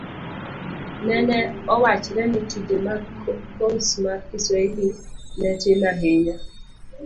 nene owachre ni tije mag kos mar kiswahili ne tin ahinya.